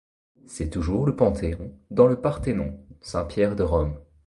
C'est toujours le Panthéon dans le Parthénon, Saint-Pierre de Rome.